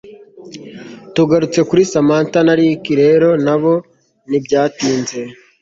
Tugarutse kuri Samantha na Ricky rero nabo ntibyatinze